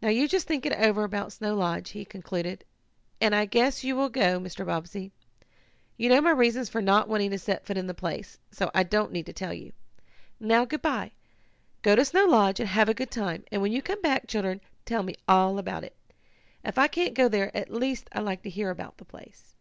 Now you just think it over about Snow Lodge," he concluded, "and I guess you will go, Mr. Bobbsey. You know my reasons for not wanting to set foot in the place, so I don't need to tell you. "Now, good bye. Go to Snow Lodge, and have a good time, and when you come back, children, tell me all about it. If I can't go there at least I like to hear about the place."